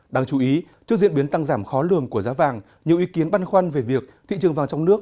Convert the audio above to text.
đáng chú ý trước diễn biến tăng giảm khó lường của giá vàng nhiều ý kiến băn khoăn về việc thị trường vàng trong nước